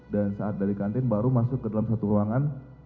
dan saat dari kantin baru masuk ke dalam satu ruangan